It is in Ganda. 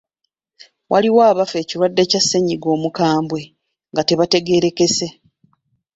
Waliwo abafa ekirwadde kya ssennyiga omukambwe nga tebategeerekese.